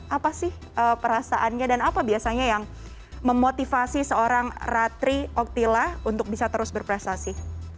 apa sih perasaannya dan apa biasanya yang memotivasi seorang ratri oktila untuk bisa terus berprestasi